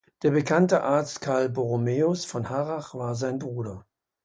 Der bekannte Arzt Karl Borromäus von Harrach war sein Bruder.